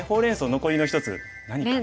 残りの１つ何かな？